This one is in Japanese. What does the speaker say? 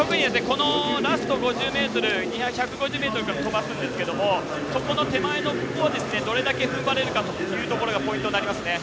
ラスト１５０ｍから飛ばすんですけどそこの手前のほう、どれだけ踏ん張れるかというところがポイントになりますね。